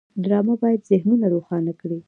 ډرامه باید ذهنونه روښانه کړي